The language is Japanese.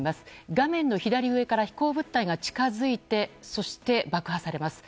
画面の左上から飛行物体が近づいてそして、爆破されます。